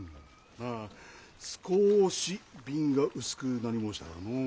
あ少し鬢が薄くなり申したからのう。